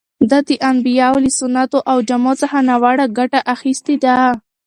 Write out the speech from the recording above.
ده د انبیاوو له سنتو او جامو څخه ناوړه ګټه اخیستې ده.